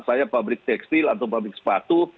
saya pabrik tekstil atau pabrik sepatu